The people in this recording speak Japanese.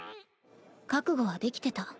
覚悟はできてた。